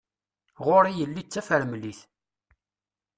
Ɣur-i yelli d tafremlit.